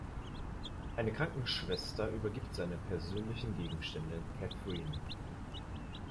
Eine Krankenschwester übergibt seine persönlichen Gegenstände Catherine.